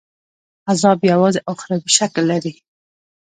عذاب یوازي اُخروي شکل لري.